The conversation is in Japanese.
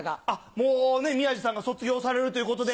もうね宮治さんが卒業されるということで。